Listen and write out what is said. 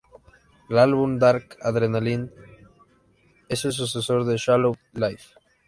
El álbum Dark Adrenaline, es el sucesor de Shallow Life.